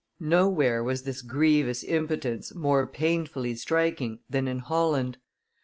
Nowhere was this grievous impotence more painfully striking than in Holland.